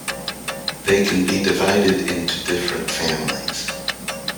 They can be divided into different families.